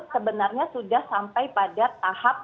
sebenarnya sudah sampai pada tahap